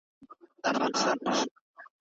روښان